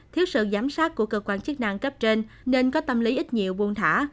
thiếu sự giám sát của cơ quan chức năng cấp trên nên có tâm lý ít nhiều buôn thả